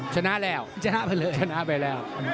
ฉนาไปแล้ว